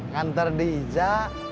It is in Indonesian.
kanter di ija